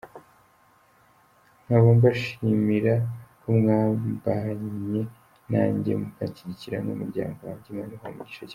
Nkaba mbashimira ko mwabanye nanjye mukanshyigikira n’umuryango wanjye, Imana ibahe umugisha cyane.”